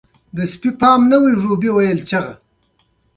الماري د جامو تاویدو نه مخنیوی کوي